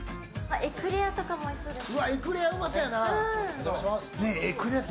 エクレアとかもおいしそうですね。